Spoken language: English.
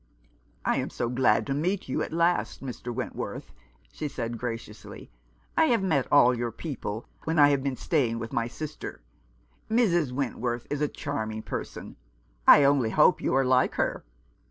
"I am so glad to meet you, at last, Mr. Went worth," she said graciously. " I have met all your people when I have been staying with my sister. Mrs. Wentworth is a charming person. I only hope you are like her.